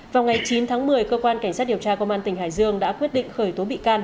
vào ngày chín tháng một mươi cơ quan cảnh sát điều tra công an tỉnh hải dương đã quyết định khởi tố bị can